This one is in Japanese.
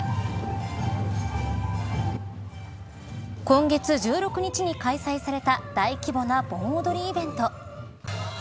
今月１６日に開催された大規模な盆踊りイベント。